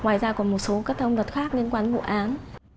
ngoài ra còn một số các thông vật khác liên quan vụ án